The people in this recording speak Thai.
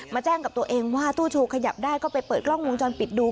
แจ้งกับตัวเองว่าตู้โชว์ขยับได้ก็ไปเปิดกล้องวงจรปิดดู